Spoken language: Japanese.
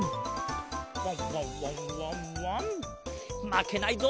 まけないぞ。